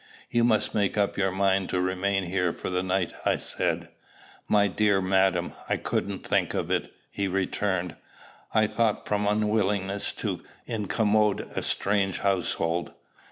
"You must make up your mind to remain here for the night," I said. "My dear madam, I couldn't think of it," he returned, I thought from unwillingness to incommode a strange household.